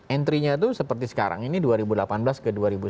entry nya itu seperti sekarang ini dua ribu delapan belas ke dua ribu sembilan belas